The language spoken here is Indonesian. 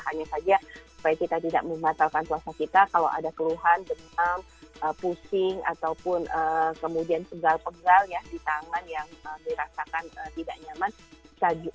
hanya saja supaya kita tidak membatalkan puasa kita kalau ada keluhan demam pusing ataupun kemudian pegal pegal ya di tangan yang dirasakan tidak nyaman